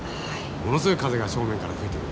ものすごい風が正面から吹いてくる。